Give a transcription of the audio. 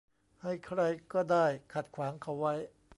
ให้ใครก็ได้ขัดขวางเขาไว้